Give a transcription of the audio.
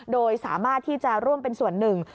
โดยสามารถที่จะร่วมเป็นส่วนหนึ่ง